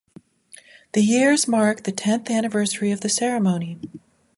The years marks the tenth anniversary of the ceremony.